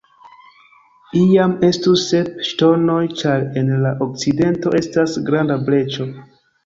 Iam estus sep ŝtonoj, ĉar en la okcidento estas granda breĉo.